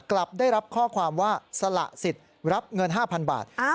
กลับได้รับข้อความว่าสละสิทธิ์รับเงิน๕๐๐๐บาท